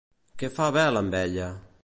Què fa Bel amb ella?